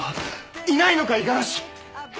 いないのか五十嵐！